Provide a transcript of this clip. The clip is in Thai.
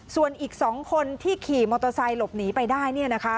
ส่วนอีก๒คนที่ขี่มอเตอร์ไซค์หลบหนีไปได้